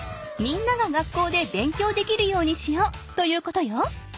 みんなが学校で勉強できるようにしようということよ。